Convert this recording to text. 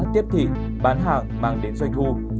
tiếp thị bán hàng mang đến doanh thu